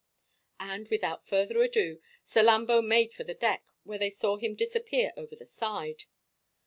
And, without further ado, Salambo made for the deck, where they saw him disappear over the side.